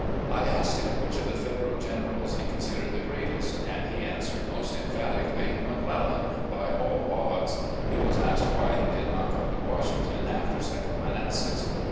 1 asked him which of the Federal generals he considered the greatest, and he answered most emphatically ' McClel lan by all odds.' He was asked why he did not come to Washington after second Manassas.